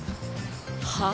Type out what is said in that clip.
はあ？